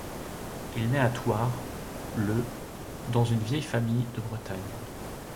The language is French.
Il naît à Thouars le dans une vieille famille de Bretagne.